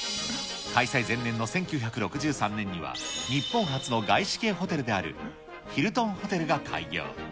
開催前年の１９６３年には、日本初の外資系ホテルである、ヒルトンホテルが開業。